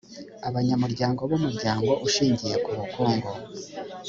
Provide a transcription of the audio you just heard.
abanyamuryango b’umuryango ushingiye ku bukungu